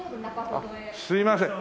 すみません。